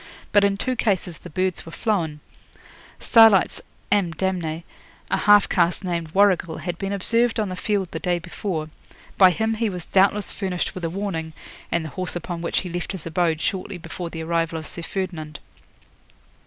But in two cases the birds were flown. Starlight's "ame damnee", a half caste named Warrigal, had been observed on the field the day before. By him he was doubtless furnished with a warning, and the horse upon which he left his abode shortly before the arrival of Sir Ferdinand.